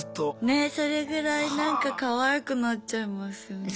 ねっそれぐらいなんかかわいくなっちゃいますよね。